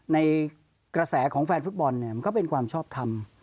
ในกระแสของแฟนฟุตบอลเนี่ยมันก็เป็นความชอบทำ